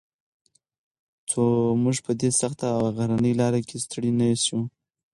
څو موږ په دې سخته او غرنۍ لاره کې ستړي نه شو.